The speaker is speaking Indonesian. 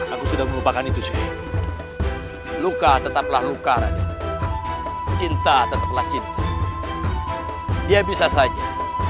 aku sudah melupakan itu sih luka tetaplah luka raja cinta tetaplah cinta dia bisa saja